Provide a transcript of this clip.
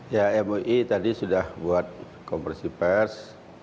ya mui tadi sudah buat konversi pers